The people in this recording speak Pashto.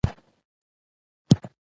د زړه پر للمه مې څاڅکی څاڅکی ورېده.